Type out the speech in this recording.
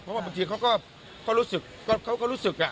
เพราะว่าบางทีเขาก็รู้สึก